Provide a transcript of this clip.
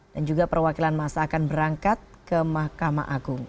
dan juga perwakilan masa akan berangkat ke mahkamah agung